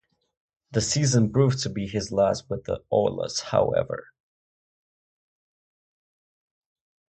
The season proved to be his last with the Orioles, however.